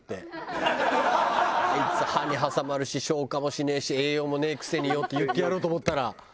「あいつ歯に挟まるし消化もしねえし栄養もねえくせによ」って言ってやろうと思ったら。